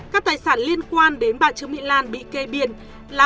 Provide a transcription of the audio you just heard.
các tài sản liên quan đến bà trương mỹ lan bị kê biên là